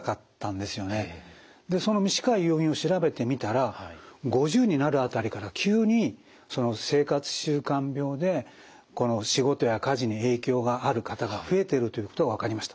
で短い要因を調べてみたら５０になる辺りから急に生活習慣病で仕事や家事に影響がある方が増えてるということが分かりました。